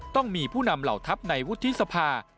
ต้องมีผู้นำเหล่าทัพในวุฒิสภา